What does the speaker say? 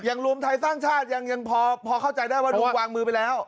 รวมไทยสร้างชาติยังพอเข้าใจได้ว่าดวงวางมือไปแล้ว